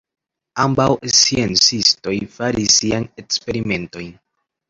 Ambaŭ sciencistoj faris siajn eksperimentojn.